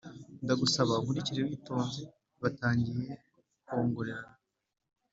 ndagusaba unkurikire witonze batangiye kongorerana